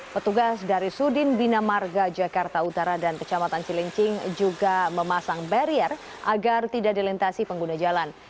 petugas dari sudin bina marga jakarta utara dan kecamatan cilincing juga memasang barrier agar tidak dilintasi pengguna jalan